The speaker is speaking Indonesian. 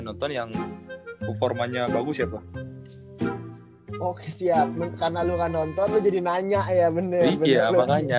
nonton yang performanya bagus ya pak oke siap mencana lu nonton jadi nanya ya bener bener